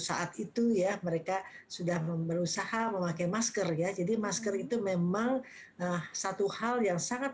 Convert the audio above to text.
saat itu ya mereka sudah berusaha memakai masker ya jadi masker itu memang satu hal yang sangat